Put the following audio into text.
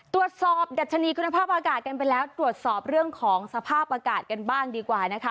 ตรวจสอบดัชนีคุณภาพอากาศกันไปแล้วตรวจสอบเรื่องของสภาพอากาศกันบ้างดีกว่านะคะ